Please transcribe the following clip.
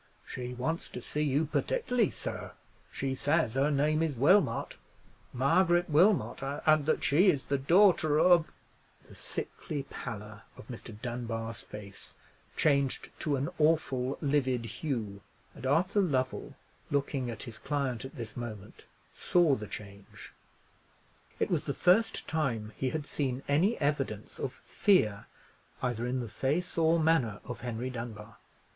"She wants to see you particularly, sir; she says her name is Wilmot—Margaret Wilmot; and that she is the daughter of——" The sickly pallor of Mr. Dunbar's face changed to an awful livid hue: and Arthur Lovell, looking at his client at this moment, saw the change. It was the first time he had seen any evidence of fear either in the face or manner of Henry Dunbar.